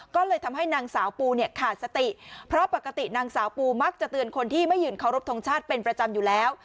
ก็เลยทำให้นางสาวปูเนี่ยขาดสติเพราะปกตินางสาวปูมักจะเตือนคนที่ไม่ยืนเคารพทงชาติเป็นประจำอยู่แล้ว